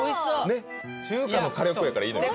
ねっ中華の火力やからいいのよ